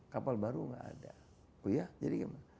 kapal baru enggak ada